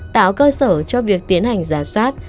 tạo cơ sở cho việc tiến hành giả soát